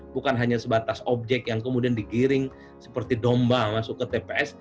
bukan hanya sebatas objek yang kemudian digiring seperti domba masuk ke tps